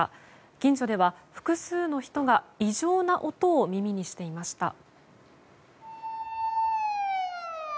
近所では複数の人が異常な音を耳にしていました。